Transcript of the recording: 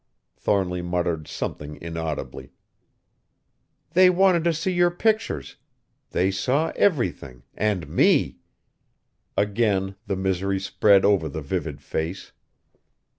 Thornly muttered something inaudibly. "They wanted to see your pictures; they saw everything, and me!" Again the misery spread over the vivid face.